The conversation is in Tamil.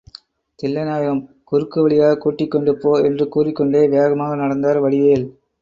தில்லைநாயகம், குறுக்கு வழியாகக் கூட்டிக்கொண்டு போ என்று கூறிக்கொண்டே வேகமாக நடந்தார் வடிவேல்.